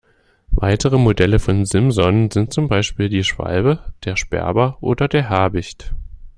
Weitere Modelle von Simson sind zum Beispiel die Schwalbe, der Sperber oder der Habicht.